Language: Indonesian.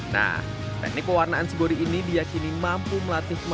nah teknik pewarnaan cibori ini diakini mampu melatih penyandang autis tuna grehita dan tuna rungu ini